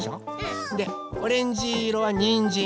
でオレンジいろはにんじん。